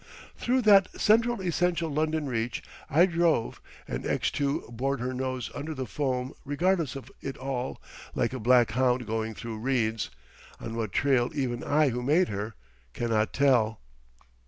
Through that central essential London reach I drove, and X2 bored her nose under the foam regardless of it all like a black hound going through reeds—on what trail even I who made her cannot tell.